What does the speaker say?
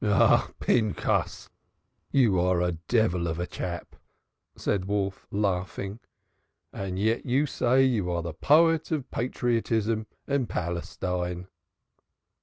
"Ah, Pinchas, you are a devil of a chap," said Wolf, laughing. "And yet you say you are the poet of patriotism and Palestine."